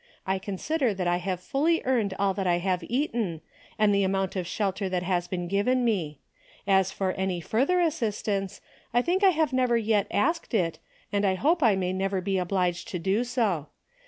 I consider that I have fully earned all that I have eaten, and the amount of shelter that has been given me. As for any further assistance, I think I have never yet asked it, and I hope I may never be obliged to do so.